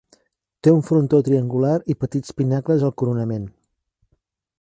Té un frontó triangular i petits pinacles al coronament.